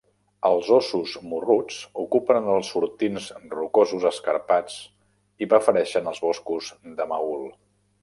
Els ossos morruts ocupen els sortints rocosos escarpats i prefereixen els boscos de mahul.